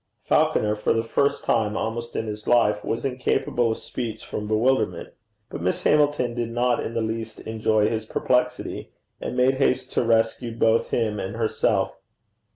Falconer, for the first time almost in his life, was incapable of speech from bewilderment. But Miss Hamilton did not in the least enjoy his perplexity, and made haste to rescue both him and herself.